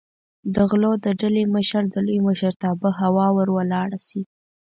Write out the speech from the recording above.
د غلو د ډلې مشر د لوی مشرتابه هوا ور ولاړه شي.